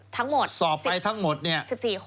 ทั้งหมด๑๔คนสอบไปทั้งหมดเนี่ย